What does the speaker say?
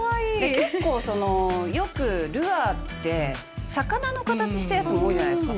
結構そのよくルアーって魚の形したやつも多いじゃないですか。